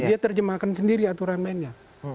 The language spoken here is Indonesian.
dia terjemahkan sendiri aturan mainnya